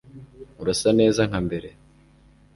urasa neza nka mbere